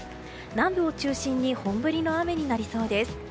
南部を中心に本降りの雨になりそうです。